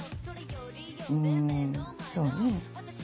うんそうね。